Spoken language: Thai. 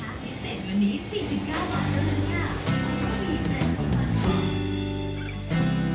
โปรดติดตามตอนต่อไป